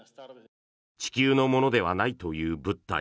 地球のものではないという物体。